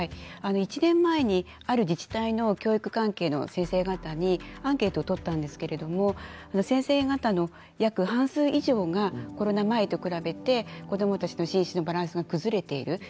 １年前にある自治体の教育関係の先生方にアンケートをとったんですけれども先生方の約半数以上がコロナ前と比べて子どもたちの心身のバランスが崩れている。